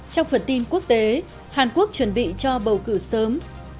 trong phần tin quốc tế hàn quốc chuẩn bị cho bầu cử sớm